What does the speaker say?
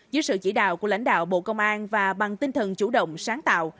dưới sự chỉ đạo của lãnh đạo bộ công an và bằng tinh thần chủ động sáng tạo